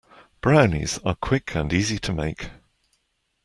Brownies are quick and easy to make.